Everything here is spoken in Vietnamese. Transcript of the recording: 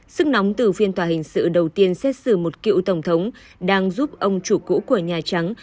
sức nóng từ phiên tòa hình sự đầu tiên xét xử một cựu tổng thống đang giúp ông chủ cũ của nhà trắng